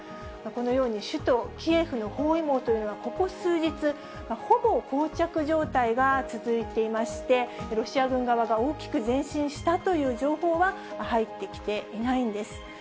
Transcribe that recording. このように、首都キエフの包囲網というのは、ここ数日、ほぼこう着状態が続いていまして、ロシア軍側が大きく前進したという情報は入ってきていないんです。